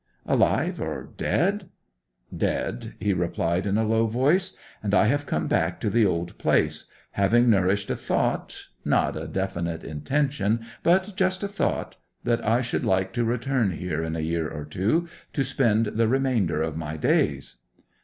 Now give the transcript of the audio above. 'Alive or dead?' 'Dead,' he replied in a low voice. 'And I have come back to the old place, having nourished a thought—not a definite intention, but just a thought—that I should like to return here in a year or two, to spend the remainder of my days.